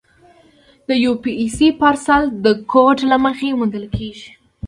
د یو پي ایس پارسل د کوډ له مخې موندل کېږي.